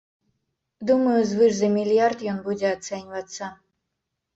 Думаю, звыш за мільярд ён будзе ацэньвацца.